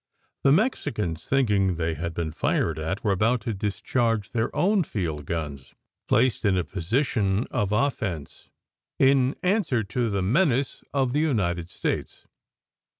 The Mexicans, thinking they had been fired at, were about to discharge their own field guns, placed in a position of offence, in answer to the menace of the United States.